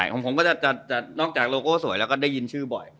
ของผมก็จะนอกจากโลโก้สวยแล้วก็ได้ยินชื่อบ่อย